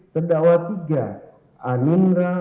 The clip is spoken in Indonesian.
terdakwa tiga aningra